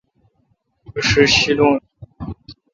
می ݭݭ شیلون